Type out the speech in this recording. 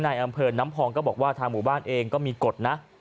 ในอำเภอน้ำพองก็บอกว่าทางหมู่บ้านเองก็มีกฎนะ